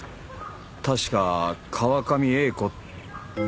確か川上英子。